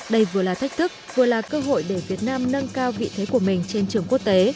đây vừa là thách thức vừa là cơ hội để việt nam nâng cao vị thế của mình trên trường quốc tế